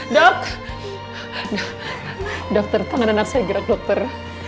dok dokter tangan anak saya gerak dokter